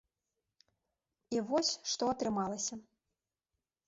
І вось, што атрымалася.